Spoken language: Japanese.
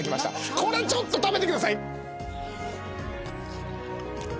これちょっと食べてください。